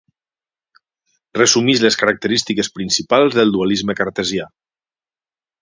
Resumeix les característiques principals del dualisme cartesià.